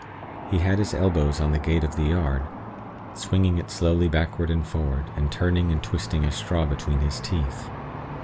He had his elbows on the gate of the yard, swinging it slowly backward and forward, and turning and twisting a straw between his teeth.